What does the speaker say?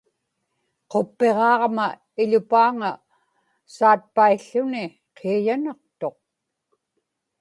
quppiġaaġma iḷupaaŋa saatpaiḷḷuni qiiyanaqtuq